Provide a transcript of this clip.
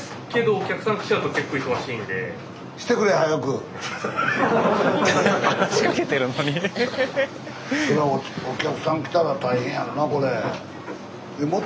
お客さん来たら大変やろなこれ。